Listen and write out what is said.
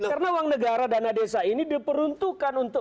karena uang negara dana desa ini diperuntukkan untuk